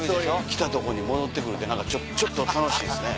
来たとこに戻って来るって何かちょっと楽しいですね。